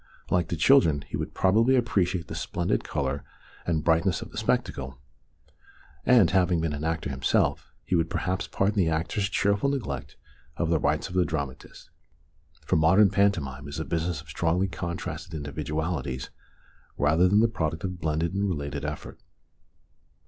Like the children, he would probably appreciate the splendid colour and brightness of the spectacle, and, having been an actor him self, he would perhaps pardon the actors' cheerful neglect of the rights of the dramatist. For modern pantomime is a business of strongly contrasted individualities rather than the product of blended and related effort.